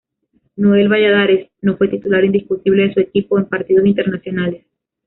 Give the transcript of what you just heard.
Noel Valladares no fue titular indiscutible de su equipo en partidos internacionales.